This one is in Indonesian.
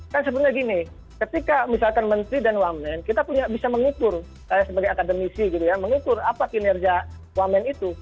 kan sebenarnya gini ketika misalkan menteri dan wamen kita punya bisa mengukur kaya sebagai akademisi gitu ya mengukur apa kinerja wamen itu